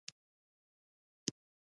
له څراغ سره لاندي کښته شو.